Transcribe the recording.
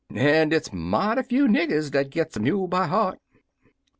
An' hit's mighty few niggers dat gits er mule by heart.